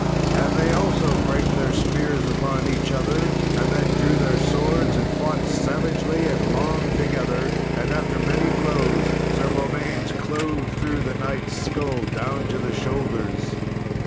And they also brake their spears upon each other, and then drew their swords, and fought savagely and long together. And after many blows, Sir Beaumains clove through the knight's skull down to the shoulders.